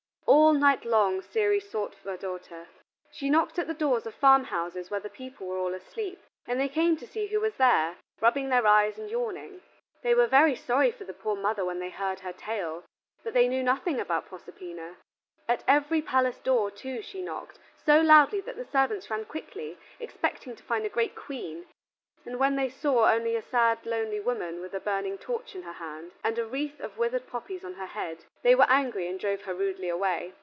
All night long Ceres sought for her daughter. She knocked at the doors of farm houses where the people were all asleep, and they came to see who was there, rubbing their eyes and yawning. They were very sorry for the poor mother when they heard her tale but they knew nothing about Proserpina. At every palace door, too, she knocked, so loudly that the servants ran quickly, expecting to find a great queen, and when they saw only a sad lonely woman with a burning torch in her hand, and a wreath of withered poppies on her head, they were angry and drove her rudely away.